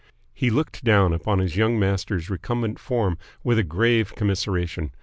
He looked down upon his young master's recumbent form with a grave commiseration.